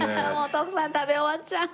徳さん食べ終わっちゃう。